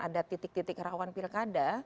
ada titik titik rawan pilkada